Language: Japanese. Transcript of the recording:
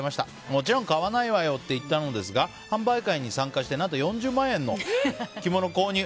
もちろん買わないわよと言ったのですが販売会に参加して何と４０万円の着物購入。